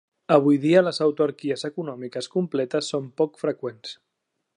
Avui dia, les autarquies econòmiques completes són poc freqüents.